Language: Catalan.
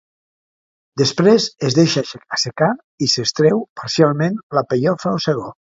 Després es deixa assecar i s'extreu, parcialment, la pellofa o segó.